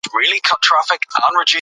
رواني روغتیا ته پام وکړئ.